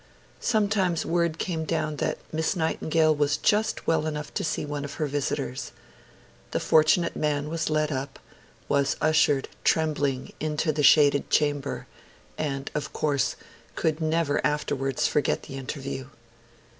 Sometimes word came down that Miss Nightingale was just well enough to see one of her visitors. The fortunate man was led up, was ushered, trembling, into the shaded chamber, and, of course, could never afterwards forget the interview.